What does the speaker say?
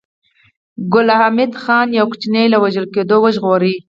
ګل حمید خان يو ماشوم له وژل کېدو وژغوره